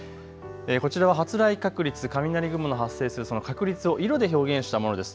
こちらは発雷確率、雷雲の発生するその確率を色で表現したものです。